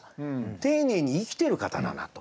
丁寧に生きてる方だなと。